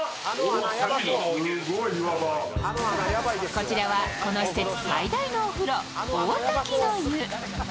こちらはこの施設最大のお風呂、大滝の湯。